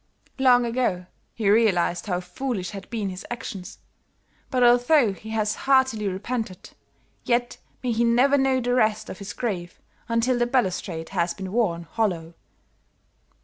Long ago he realized how foolish had been his actions, but although he has heartily repented, yet may he never know the rest of his grave until the balustrade has been worn hollow."